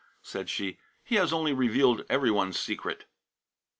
said she, "he has only revealed every one's secret."